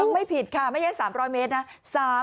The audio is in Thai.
ไม่ผิดค่ะไม่ใช่๓๐๐เมตรนะ